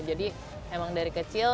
jadi memang dari kecil